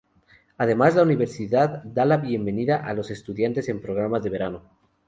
Además, la universidad da la bienvenida a los estudiantes en programas de verano.